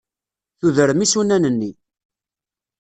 Tudrem isunan-nni.